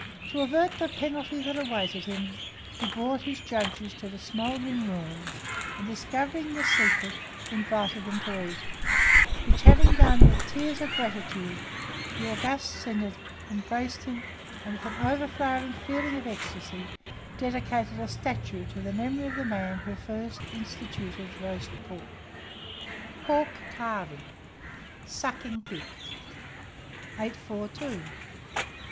To avert the penalty that awaited him, he brought his judges to the smouldering ruins, and discovering the secret, invited them to eat; which having done, with tears of gratitude, the august synod embraced him, and, with an overflowing feeling of ecstasy, dedicated a statue to the memory of the man who first instituted roast pork. PORK CARVING. SUCKING PIG. [Illustration: SUCKING PIG.] 842.